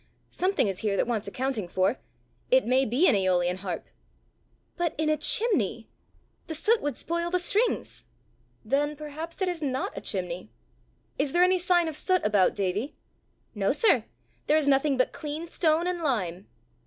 Something is here that wants accounting for: it may be an aeolian harp!" "But in a chimney! The soot would spoil the strings!" "Then perhaps it is not a chimney: is there any sign of soot about, Davie?" "No, sir; there is nothing but clean stone and lime."